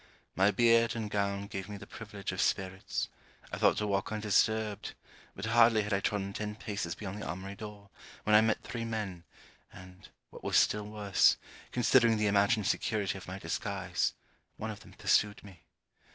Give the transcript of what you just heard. My beard and gown gave me the privilege of spirits, I thought to walk undisturbed; but hardly had I trodden ten paces beyond the armoury door when I met three men, and, what was still worse, considering the imagined security of my disguise, one of them pursued me.